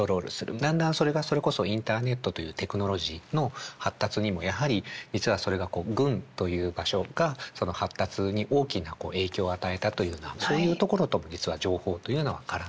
だんだんそれがそれこそインターネットというテクノロジーの発達にもやはり実はそれが軍という場所が発達に大きな影響を与えたというようなそういうところとも実は情報というのは絡んでいる。